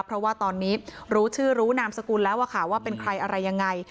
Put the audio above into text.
เพราะว่าตอนนี้รู้ชื่อรู้นามสกุลแล้วว่าเป็นใครอะไรยังไง